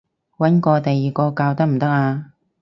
搵過第二個教得唔得啊？